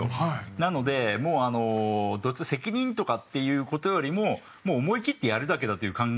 なのでもう責任とかっていう事よりも思いきってやるだけだという考え方でしたね。